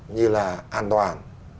như là an toàn